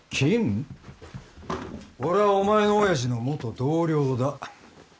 俺はお前の親父の元同僚だ。